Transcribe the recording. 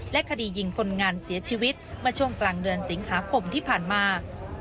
คดียิงคนงานเสียชีวิตเมื่อช่วงกลางเดือนสิงหาคมที่ผ่านมา